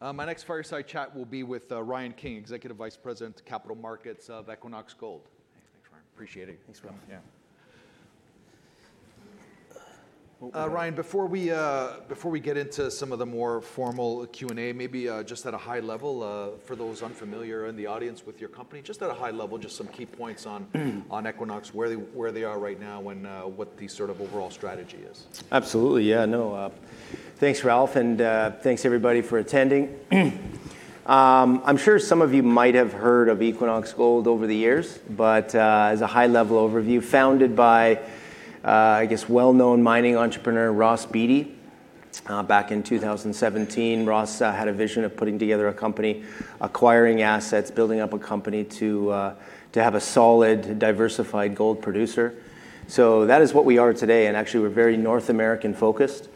My next fireside chat will be with Ryan King, Executive Vice President, Capital Markets of Equinox Gold. Thanks, Ryan. Appreciate it. Thanks, Ralph. Yeah. Ryan, before we get into some of the more formal Q&A, maybe just at a high level for those unfamiliar in the audience with your company, just at a high level, just some key points on Equinox, where they are right now and what the sort of overall strategy is. Absolutely. Yeah. No. Thanks, Ralph, and thanks everybody for attending. I'm sure some of you might have heard of Equinox Gold over the years, but as a high-level overview, founded by, I guess, well-known mining entrepreneur Ross Beaty back in 2017. Ross had a vision of putting together a company, acquiring assets, building up a company to have a solid, diversified gold producer. That is what we are today, and actually, we're very North American-focused.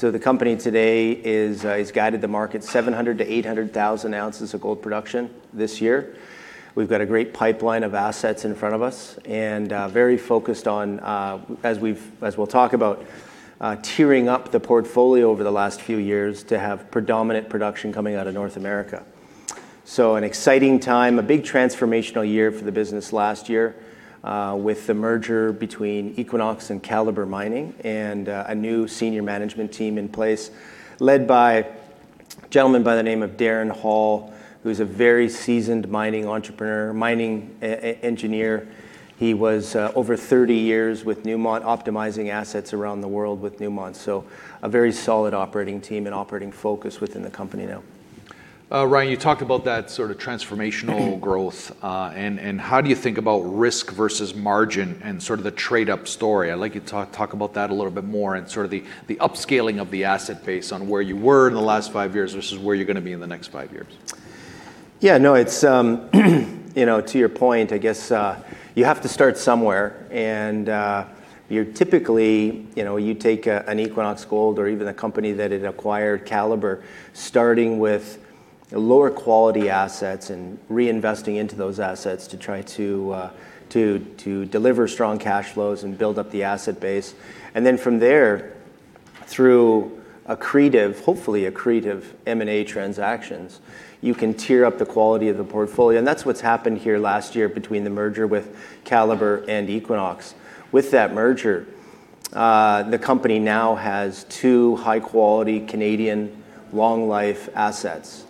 The company today has guided the market 700,000-800,000 ounces of gold production this year. We've got a great pipeline of assets in front of us and very focused on, as we'll talk about, tiering up the portfolio over the last few years to have predominant production coming out of North America. An exciting time, a big transformational year for the business last year with the merger between Equinox and Calibre Mining and a new senior management team in place led by a gentleman by the name of Darren Hall, who's a very seasoned mining entrepreneur, mining engineer. He was over 30 years with Newmont, optimizing assets around the world with Newmont. A very solid operating team and operating focus within the company now. Ryan, you talked about that sort of transformational growth. How do you think about risk versus margin and sort of the trade-up story? I'd like you to talk about that a little bit more and sort of the upscaling of the asset base on where you were in the last five years versus where you're going to be in the next five years. Yeah, no, to your point, I guess you have to start somewhere, and you typically take an Equinox Gold or even a company that it acquired, Calibre, starting with lower-quality assets and reinvesting into those assets to try to deliver strong cash flows and build up the asset base. From there, through hopefully accretive M&A transactions, you can tier up the quality of the portfolio, and that's what's happened here last year between the merger with Calibre and Equinox. With that merger, the company now has two high-quality Canadian long-life assets.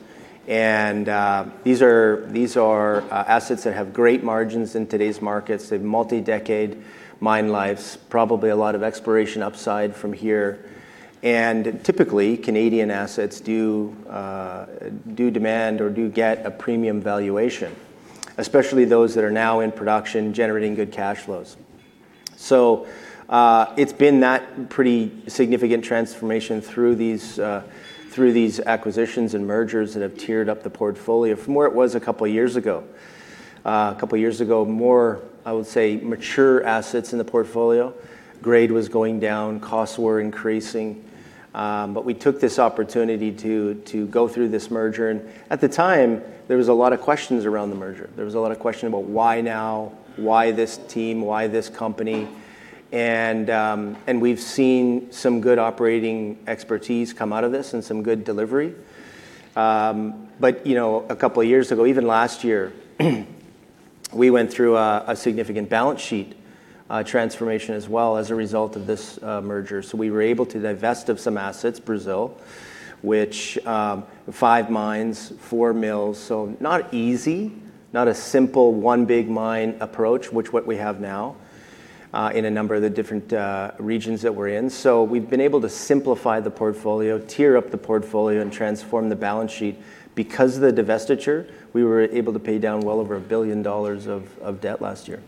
These are assets that have great margins in today's markets. They have multi-decade mine lives, probably a lot of exploration upside from here. Typically, Canadian assets do demand or do get a premium valuation, especially those that are now in production, generating good cash flows. It's been that pretty significant transformation through these acquisitions and mergers that have tiered up the portfolio from where it was a couple of years ago. A couple of years ago, more, I would say, mature assets in the portfolio, grade was going down, costs were increasing, but we took this opportunity to go through this merger, and at the time, there was a lot of questions around the merger. There was a lot of question about why now, why this team, why this company, and we've seen some good operating expertise come out of this and some good delivery. A couple of years ago, even last year, we went through a significant balance sheet transformation as well as a result of this merger. We were able to divest of some assets, Brazil, with five mines, four mills. Not easy, not a simple one big mine approach, which what we have now in a number of the different regions that we're in. We've been able to simplify the portfolio, tier up the portfolio, and transform the balance sheet. Because of the divestiture, we were able to pay down well over $1 billion of debt last year.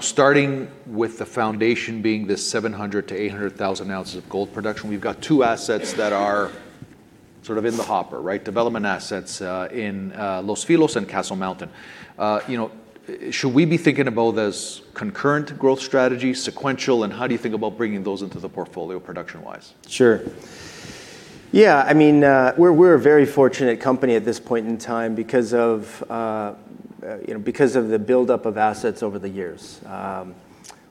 Starting with the foundation being this 700,000 to 800,000 ounces of gold production, we've got two assets that are sort of in the hopper, right? Development assets in Los Filos and Castle Mountain. Should we be thinking about those concurrent growth strategies, sequential, and how do you think about bringing those into the portfolio production-wise? Sure. Yeah, I mean, we're a very fortunate company at this point in time because of the buildup of assets over the years.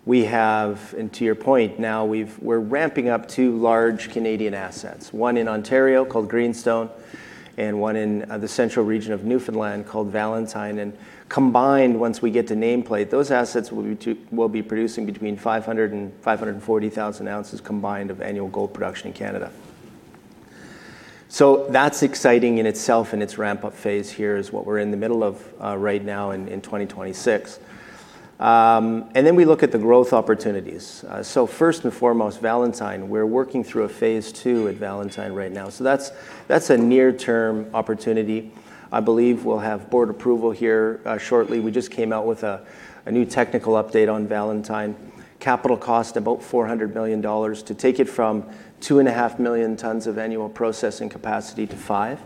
We have, and to your point now, we're ramping up two large Canadian assets, one in Ontario called Greenstone and one in the central region of Newfoundland called Valentine. Combined, once we get to nameplate, those assets will be producing between 500,000 and 540,000 ounces combined of annual gold production in Canada. That's exciting in itself and its ramp-up phase here is what we're in the middle of right now in 2026. We look at the growth opportunities. First and foremost, Valentine. We're working through a phase II at Valentine right now. That's a near-term opportunity. I believe we'll have Board approval here shortly. We just came out with a new technical update on Valentine. Capital cost about $400 million to take it from 2.5 million tons of annual processing capacity to five.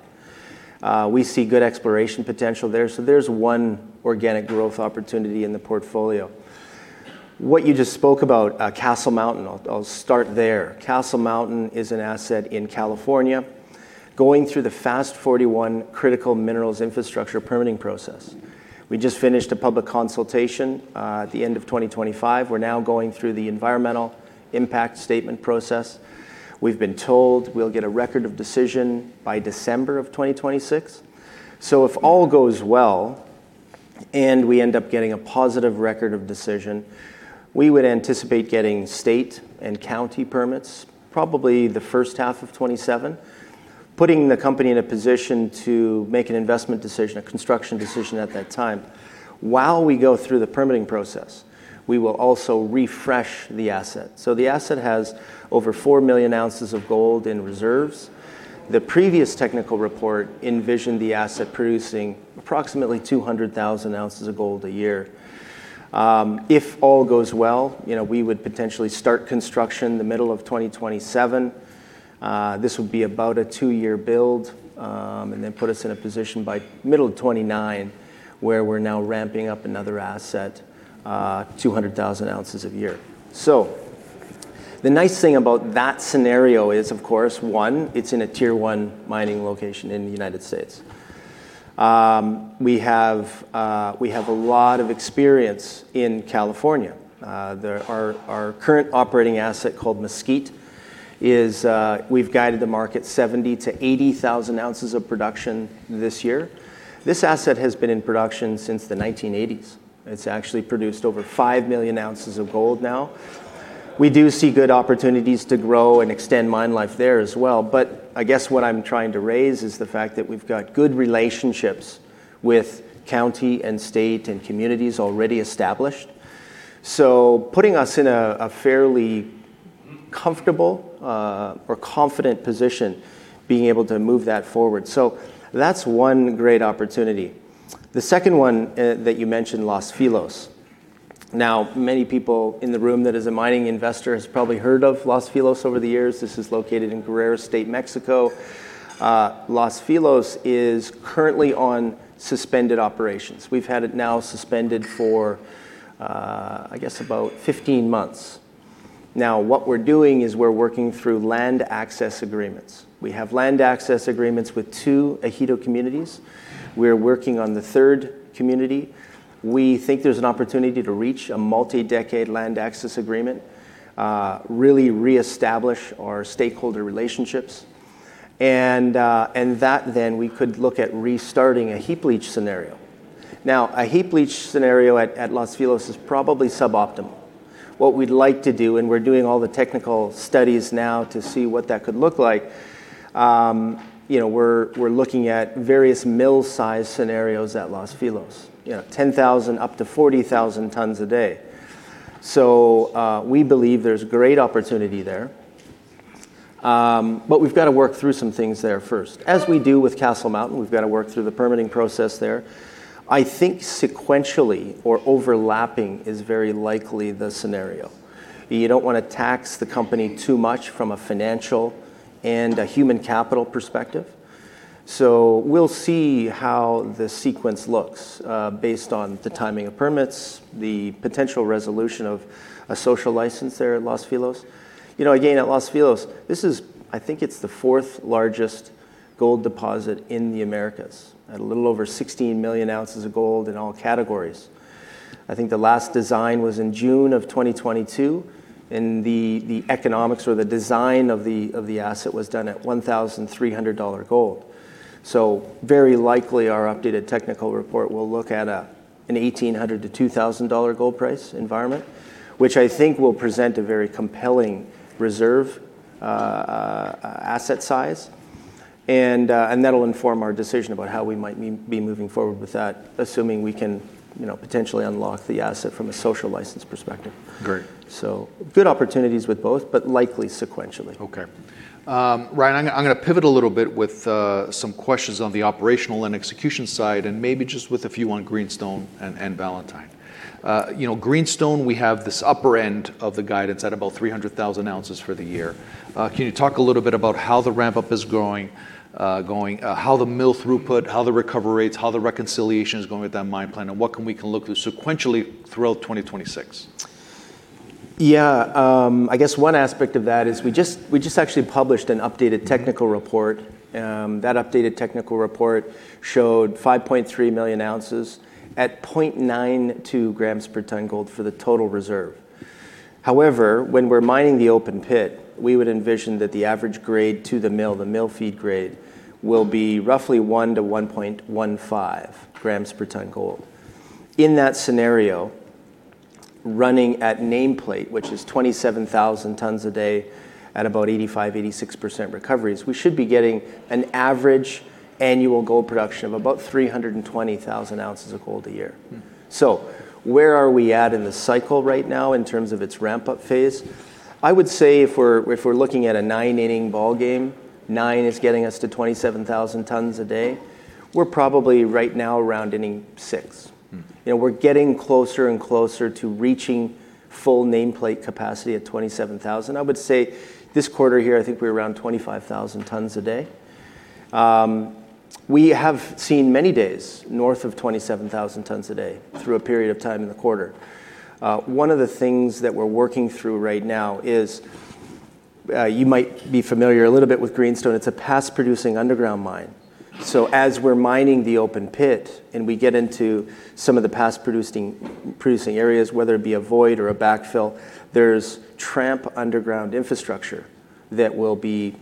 We see good exploration potential there. There's one organic growth opportunity in the portfolio. What you just spoke about, Castle Mountain, I'll start there. Castle Mountain is an asset in California, going through the FAST-41 Critical Minerals Infrastructure permitting process. We just finished a public consultation at the end of 2025. We're now going through the environmental impact statement process. We've been told we'll get a record of decision by December of 2026. If all goes well and we end up getting a positive record of decision, we would anticipate getting state and county permits, probably the first half of 2027, putting the company in a position to make an investment decision, a construction decision at that time. While we go through the permitting process, we will also refresh the asset. The asset has over 4 million ounces of gold in reserves. The previous technical report envisioned the asset producing approximately 200,000 ounces of gold a year. If all goes well, we would potentially start construction the middle of 2027. This would be about a two-year build, and then put us in a position by middle of 2029 where we're now ramping up another asset, 200,000 ounces a year. The nice thing about that scenario is, of course, one, it's in a Tier 1 mining location in the United States. We have a lot of experience in California. Our current operating asset, called Mesquite, we've guided the market 70,000-80,000 ounces of production this year. This asset has been in production since the 1980s. It's actually produced over 5 million ounces of gold now. We do see good opportunities to grow and extend mine life there as well, but I guess what I'm trying to raise is the fact that we've got good relationships with county and state and communities already established, putting us in a fairly comfortable or confident position, being able to move that forward. That's one great opportunity. The second one that you mentioned, Los Filos. Now, many people in the room that is a mining investor has probably heard of Los Filos over the years. This is located in Guerrero State, Mexico. Los Filos is currently on suspended operations. We've had it now suspended for, I guess, about 15 months. Now, what we're doing is we're working through land access agreements. We have land access agreements with two ejido communities. We're working on the third community. We think there's an opportunity to reach a multi-decade land access agreement, really reestablish our stakeholder relationships, and that then we could look at restarting a heap leach scenario. Now, a heap leach scenario at Los Filos is probably suboptimal. What we'd like to do, and we're doing all the technical studies now to see what that could look like, we're looking at various mill size scenarios at Los Filos, 10,000 up to 40,000 tons a day. So we believe there's great opportunity there, but we've got to work through some things there first. As we do with Castle Mountain, we've got to work through the permitting process there. I think sequentially or overlapping is very likely the scenario. You don't want to tax the company too much from a financial and a human capital perspective. We'll see how the sequence looks based on the timing of permits, the potential resolution of a social license there at Los Filos. Again, at Los Filos, I think it's the fourth-largest gold deposit in the Americas, at a little over 16 million ounces of gold in all categories. I think the last design was in June of 2022, and the economics or the design of the asset was done at $1,300 gold. Very likely, our updated technical report will look at an $1,800-$2,000 gold price environment, which I think will present a very compelling reserve asset size, and that'll inform our decision about how we might be moving forward with that, assuming we can potentially unlock the asset from a social license perspective. Great. Good opportunities with both, but likely sequentially. Okay, Ryan, I'm going to pivot a little bit with some questions on the operational and execution side, and maybe just with a few on Greenstone and Valentine. Greenstone, we have this upper end of the guidance at about 300,000 ounces for the year. Can you talk a little bit about how the ramp-up is going, how the mill throughput, how the recovery rates, how the reconciliation is going with that mine plan, and what can we look through sequentially throughout 2026? Yeah. I guess one aspect of that is we just actually published an updated technical report. That updated technical report showed 5.3 million ounces at 0.92 g per tonne gold for the total reserve. However, when we're mining the open pit, we would envision that the average grade to the mill, the mill feed grade, will be roughly 1 g-1.15 g per tonne gold. In that scenario, running at nameplate, which is 27,000 tons a day at about 85%-86% recoveries, we should be getting an average annual gold production of about 320,000 ounces of gold a year. Mm-hmm. Where are we at in the cycle right now in terms of its ramp-up phase? I would say if we're looking at a nine-inning ballgame, nine is getting us to 27,000 tons a day. We're probably right now around inning six. Mm-hmm. We're getting closer and closer to reaching full nameplate capacity at 27,000. I would say this quarter here, I think we're around 25,000 tons a day. We have seen many days north of 27,000 tons a day through a period of time in the quarter. One of the things that we're working through right now is, you might be familiar a little bit with Greenstone, it's a past-producing underground mine. As we're mining the open pit and we get into some of the past-producing areas, whether it be a void or a backfill, there's tramp underground infrastructure that will be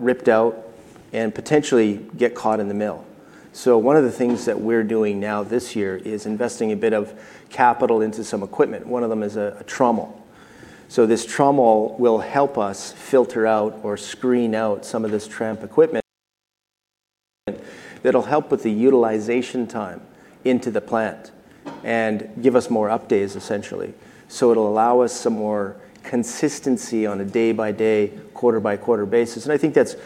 ripped out and potentially get caught in the mill. One of the things that we're doing now this year is investing a bit of capital into some equipment. One of them is a trommel. So this trommel will help us filter out or screen out some of this tramp equipment. That'll help with the utilization time into the plant and give us more up days, essentially. So it'll allow us some more consistency on a day-by-day, quarter-by-quarter basis, and I think that's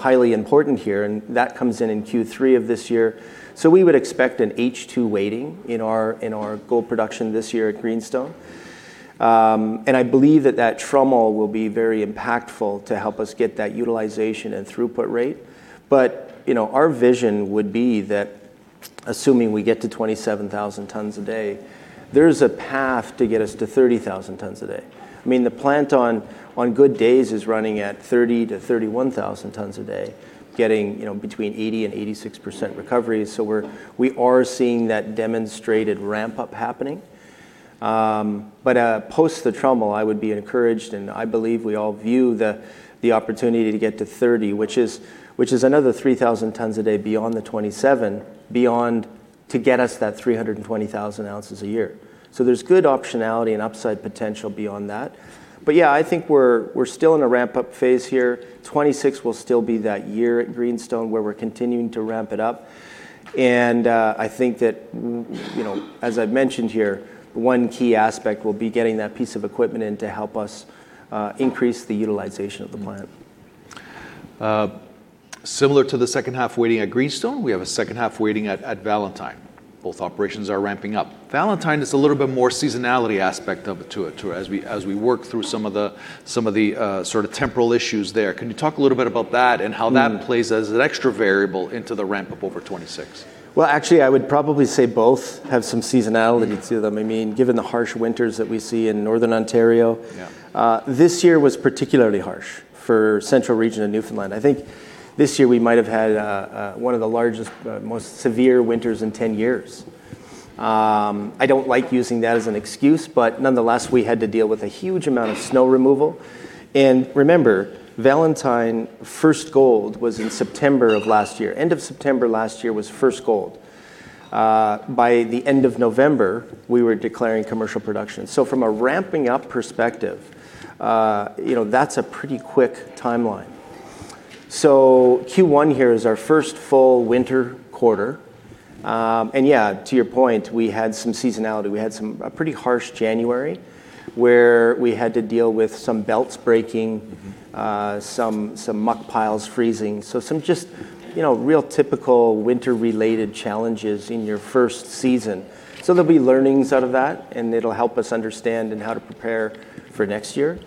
highly important here, and that comes in in Q3 of this year. So we would expect an H2 weighting in our gold production this year at Greenstone. And I believe that that trommel will be very impactful to help us get that utilization and throughput rate. But our vision would be that assuming we get to 27,000 tons a day, there's a path to get us to 30,000 tons a day. I mean, the plant on good days is running at 30 to 31,000 tons a day, getting between 80% and 86% recovery, so we are seeing that demonstrated ramp-up happening. Post the trommel, I would be encouraged, and I believe we all view the opportunity to get to 30, which is another 3,000 tons a day beyond the 27 to get us that 320,000 ounces a year. There's good optionality and upside potential beyond that. Yeah, I think we're still in a ramp-up phase here. 2026 will still be that year at Greenstone where we're continuing to ramp it up. I think that, as I've mentioned here, one key aspect will be getting that piece of equipment in to help us increase the utilization of the plant. Similar to the second half weighting at Greenstone, we have a second half weighting at Valentine. Both operations are ramping up. Valentine is a little bit more seasonality aspect to it, as we work through some of the sort of temporal issues there. Can you talk a little bit about that and how that plays as an extra variable into the ramp-up over 2026? Well, actually, I would probably say both have some seasonality to them, I mean, given the harsh winters that we see in Northern Ontario. Yeah This year was particularly harsh for central region of Newfoundland. I think this year we might have had one of the largest, most severe winters in 10 years. I don't like using that as an excuse, but nonetheless, we had to deal with a huge amount of snow removal. Remember, Valentine first gold was in September of last year. End of September last year was first gold. By the end of November, we were declaring commercial production. From a ramping-up perspective, that's a pretty quick timeline. Q1 here is our first full winter quarter. Yeah, to your point, we had some seasonality. We had a pretty harsh January where we had to deal with some belts breaking. Mm-hmm Some muck piles freezing, some just real, typical winter-related challenges in your first season. There'll be learnings out of that, and it'll help us understand in how to prepare for next year.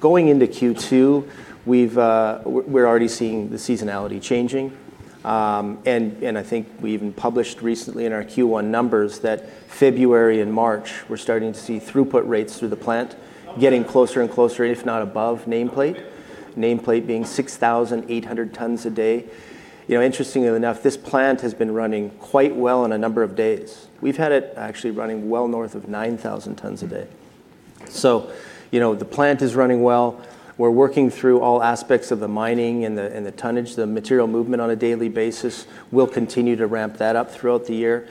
Going into Q2, we're already seeing the seasonality changing. I think we even published recently in our Q1 numbers that February and March, we're starting to see throughput rates through the plant getting closer and closer, if not above nameplate, being 6,800 tons a day. Interestingly enough, this plant has been running quite well on a number of days. We've had it actually running well north of 9,000 tons a day. The plant is running well. We're working through all aspects of the mining and the tonnage, the material movement on a daily basis. We'll continue to ramp that up throughout the year.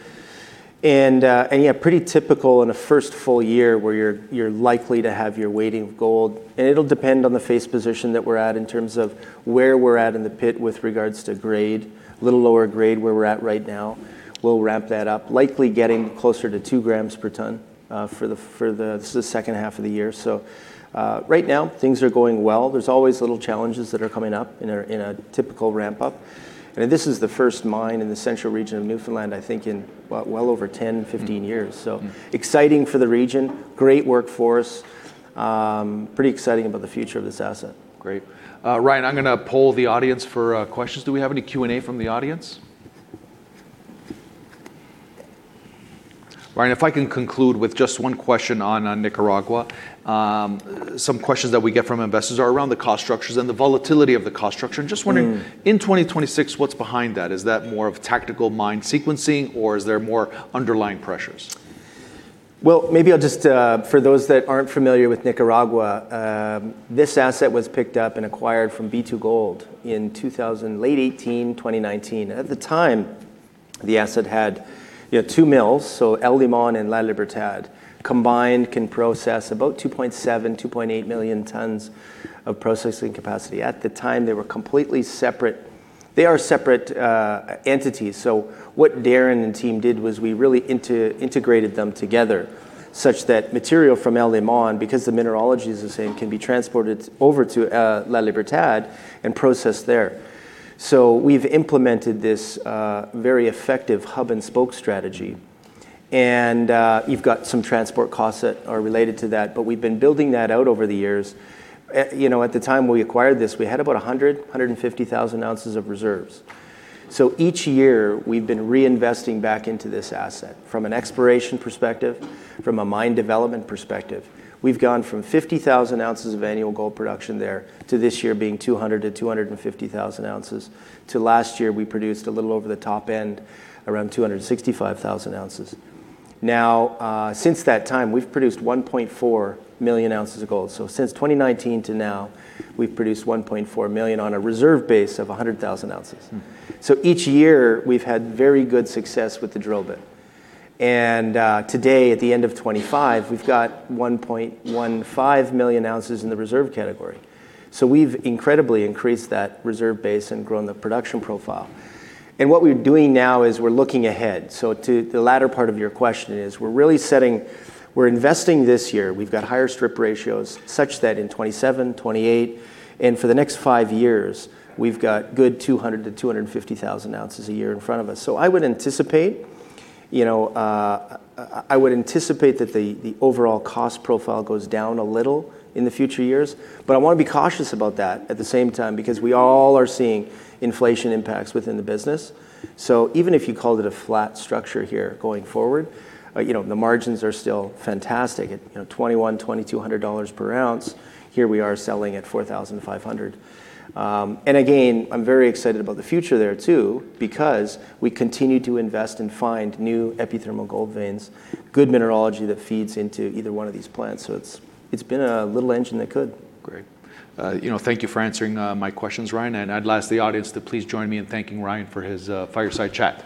Yeah, pretty typical in a first full year where you're likely to have your weighting of gold, and it'll depend on the face position that we're at in terms of where we're at in the pit with regards to grade. Little lower grade where we're at right now. We'll ramp that up, likely getting closer to 2 g per ton for the second half of the year. Right now, things are going well. There's always little challenges that are coming up in a typical ramp-up. I mean, this is the first mine in the central region of Newfoundland, I think in, what? Well over 10-15 years. Exciting for the region, great workforce. Pretty exciting about the future of this asset. Great. Ryan, I'm going to poll the audience for questions. Do we have any Q&A from the audience? Ryan, if I can conclude with just one question on Nicaragua. Some questions that we get from investors are around the cost structures and the volatility of the cost structure. Just wondering, in 2026, what's behind that? Is that more of tactical mine sequencing, or is there more underlying pressures? Well, maybe I'll just, for those that aren't familiar with Nicaragua, this asset was picked up and acquired from B2Gold in late 2018-2019. At the time, the asset had two mills, so El Limón and La Libertad combined can process about 2.7 million-2.8 million tons of processing capacity. At the time, they were completely separate. They are separate entities. What Darren and team did was we really integrated them together such that material from El Limón, because the mineralogy is the same, can be transported over to La Libertad and processed there. We've implemented this very effective hub-and-spoke strategy. You've got some transport costs that are related to that, but we've been building that out over the years. At the time we acquired this, we had about 100,000-150,000 ounces of reserves. Each year, we've been reinvesting back into this asset from an exploration perspective, from a mine development perspective. We've gone from 50,000 ounces of annual gold production there to this year being 200,000-250,000 ounces, to last year, we produced a little over the top end, around 265,000 ounces. Now, since that time, we've produced 1.4 million ounces of gold. Since 2019 to now, we've produced 1.4 million on a reserve base of 100,000 ounces. Mm-hmm. Each year, we've had very good success with the drill bit. Today, at the end of 2025, we've got 1.15 million ounces in the reserve category. We've incredibly increased that reserve base and grown the production profile. What we're doing now is we're looking ahead. To the latter part of your question is, we're investing this year. We've got higher strip ratios such that in 2027, 2028, and for the next five years, we've got a good 200,000-250,000 ounces a year in front of us. I would anticipate that the overall cost profile goes down a little in the future years, but I want to be cautious about that at the same time, because we all are seeing inflation impacts within the business. Even if you called it a flat structure here going forward, the margins are still fantastic at $2,100-$2,200 per ounce. Here we are selling at $2,500. Again, I'm very excited about the future there too, because we continue to invest and find new epithermal gold veins, good mineralogy that feeds into either one of these plants. It's been a little engine that could. Great. Thank you for answering my questions, Ryan, and I'd ask the audience to please join me in thanking Ryan for his fireside chat.